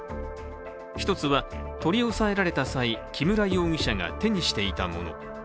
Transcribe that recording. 一つは、取り押さえられた際木村容疑者が手にしていたもの。